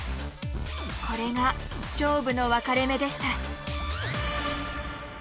これが勝負の分かれ目でした。